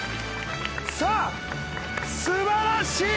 さあ素晴らしい！